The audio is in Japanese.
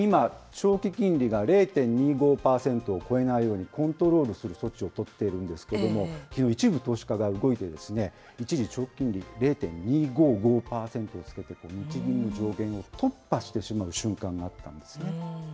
日銀は今、長期金利が０．２５％を超えないようにコントロールする措置を取っているんですけれども、きのう、一部投資家が動いて、一時長期金利０．２５５％をつけて、日銀の上限を突破してしまう瞬間があったんですね。